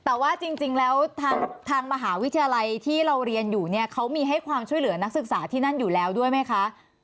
แต่ว่าจริงแล้วทางมหาวิทยาลัยที่เราเรียนอยู่เนี่ยเขามีให้ความช่วยเหลือนักศึกษาที่นั่นอยู่แล้วด้วยไหมคะ